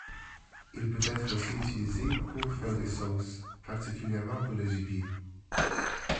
Il peut être aussi utilisé pour faire des sauces, particulièrement pour le gibier.